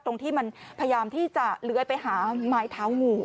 ตรงที่มันพยายามที่จะเลื้อยไปหาไม้เท้างู